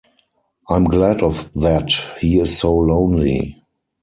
I'm glad of that, he is so lonely.